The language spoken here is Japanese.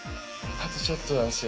あとちょっとなんですよ。